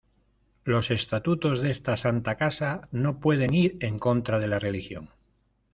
los estatutos de esta santa casa no pueden ir en contra de la Religión.